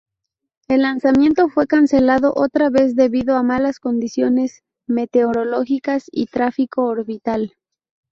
El lanzamiento fue cancelado otra vez debido a malas condiciones meteorológicas y tráfico orbital.